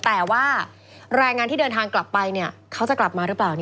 แต่ว่าแรงงานที่เดินทางกลับไปเขาจะกลับมาหรือเปล่า